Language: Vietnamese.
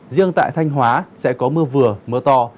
riêng tại thanh hóa sẽ có mưa vừa mưa to